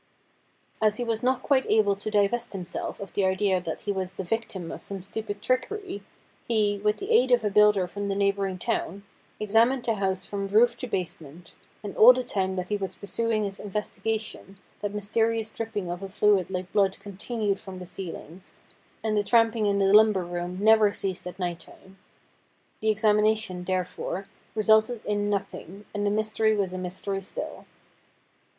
As he was not quite able to divest himself of the idea that he was the victim of some stupid trickery, he, with the aid of a builder from the neighbouring town, examined the house from roof to basement, and all the time that he was pursuing his investi gation that mysterious dripping of a fluid like blood continued from the ceilings, and the tramping in the lumber room never ceased at night time. The examination, therefore, resulted in nothing, and the mystery was a mystery still.